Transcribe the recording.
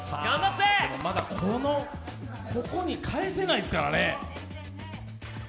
でもまだ、ここに返せないですからね。